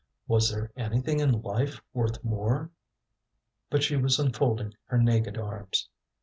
Was there anything in life worth more? But she was unfolding her naked arms.